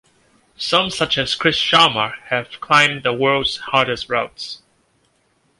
Some such as Chris Sharma have climbed the world's hardest routes.